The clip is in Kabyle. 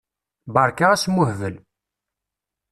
Berka asmuhbel.